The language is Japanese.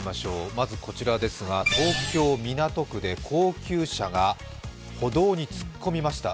まず、こちらですが東京・港区で高級車が歩道に突っ込みました。